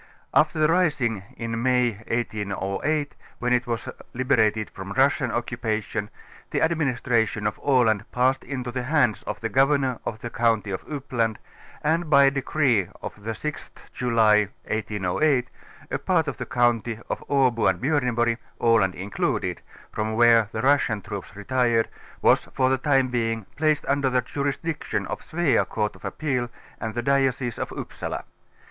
After the rising in May 1808, when it was liberat ed from the Russian occupation, the administration of Aland passed into the hands of the Governor of the count;\' of Uppland and by a decree of tlie 6th .luly 1808. a 4)arl of the county of Abo and Bjorneborg, Aland included, from where the Russian troops retired, was for the time being placed under the jurisdiction of Svea Court of Appeal and the Diocese of Upsala.